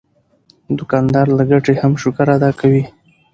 دوکاندار له ګټې هم شکر ادا کوي.